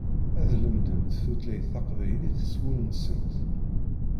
Ad lemdent tutlayt taqbaylit s wul-nsent.